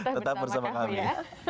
tetap bersama kami